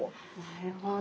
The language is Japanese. なるほど。